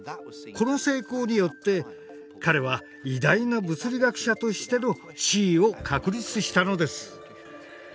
この成功によって彼は偉大な物理学者としての地位を確立したのです。